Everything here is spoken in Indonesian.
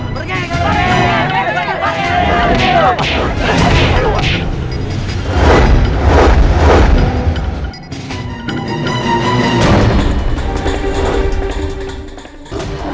pergi pergi pergi